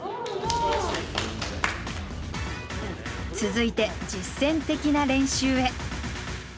続いて実践的な練習へ。